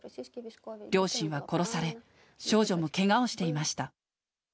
両親は殺され、少女もけがをしていました。